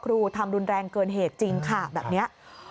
ทำรุนแรงเกินเหตุจริงค่ะแบบนี้